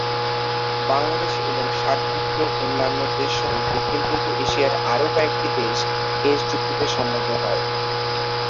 বাংলাদেশ এবং সার্কভুক্ত অন্যান্য দেশসহ দক্ষিণপূর্ব এশিয়ার আরও কয়েকটি দেশ এ চুক্তিতে সম্মত হয়।